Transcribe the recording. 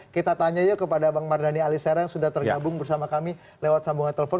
kita tanya yuk kepada bang mardhani alisera yang sudah tergabung bersama kami lewat sambungan telepon